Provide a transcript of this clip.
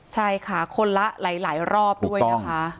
ใช่ค่ะคนละหลายรอบด้วยนะคะ